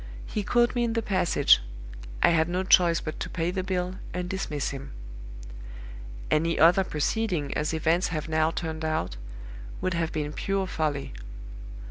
He caught me in the passage; I had no choice but to pay the bill, and dismiss him. Any other proceeding, as events have now turned out, would have been pure folly.